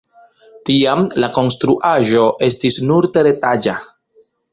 Tiam la konstruaĵo estis nur teretaĝa.